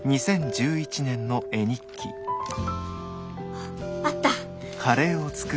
あっあった。